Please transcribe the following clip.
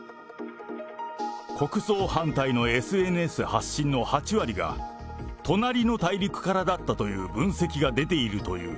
国葬反対のＳＮＳ発信の８割が隣の大陸からだったという分析